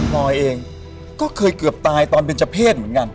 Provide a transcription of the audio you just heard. ลอยเองก็เคยเกือบตายตอนเป็นเจ้าเพศเหมือนกัน